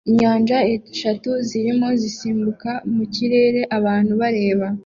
Inyanja eshatu zirimo zisimbuka mu kirere abantu bareba